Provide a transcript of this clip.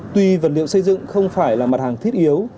tuy vật liệu xây dựng không phải là mặt hàng thiết yếu